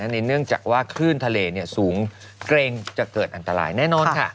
เนื่องจากว่าคลื่นทะเลสูงเกรงจะเกิดอันตรายแน่นอนค่ะ